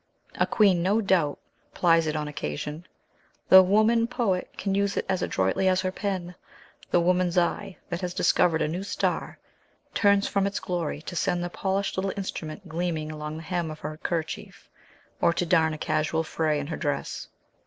A queen, no doubt, plies it on occasion; the woman poet can use it as adroitly as her pen; the woman's eye, that has discovered a new star, turns from its glory to send the polished little instrument gleaming along the hem of her kerchief, or to darn a casual fray in her dress.